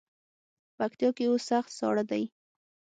پکتیا کې اوس سخت ساړه دی.